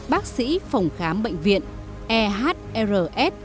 bác sĩ phòng khám bệnh viện ehrs